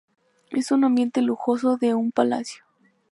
Es un ambiente lujoso de un palacio.